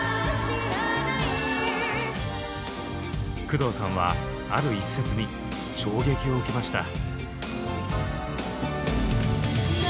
工藤さんはある一節に衝撃を受けました。